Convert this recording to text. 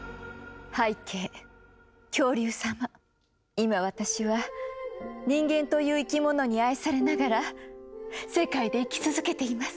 今私は人間という生き物に愛されながら世界で生き続けています。